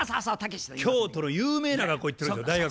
京都の有名な学校行ってるんですよ。